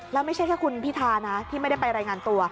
แล้วไม่ใช่แค่คุณพิธานะที่ไม่ได้ไปรายงานตัว